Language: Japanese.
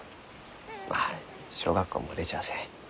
まあ小学校も出ちゃあせん。